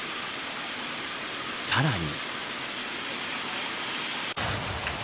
さらに。